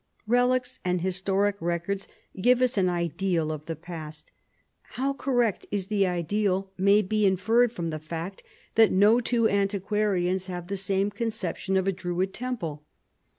Relics and historic records give us an ideal of the past. How correct is the ideal may be inferred from the fact that no two antiquarians have the same conception of a Druid temple.